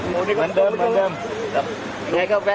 มันเดิมมันเดิมยังไงก็แปะใช่ค่ะ